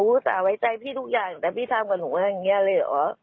หนูตาไว้ใจพี่ทุกอย่างแต่พี่ทำกับหนูก็อย่างนี้เลยหรือ